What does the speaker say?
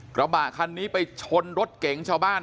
กระบะคันนี้ไปชนรถเก๋งชาวบ้าน